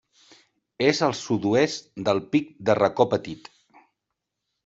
És al sud-oest del Pic de Racó Petit.